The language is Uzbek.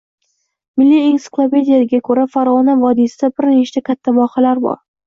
Milliy ensiklopediyaga koʻra, Fargʻona vodiysida bir nechta katta vohalar bor